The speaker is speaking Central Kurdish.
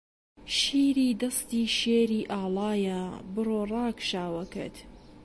شیری دەستی شێری ئاڵایە برۆ ڕاکشاوەکەت